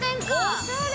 おしゃれ。